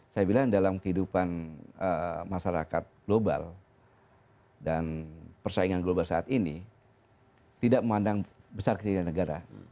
saya bilang dalam kehidupan masyarakat global dan persaingan global saat ini tidak memandang besar kecilnya negara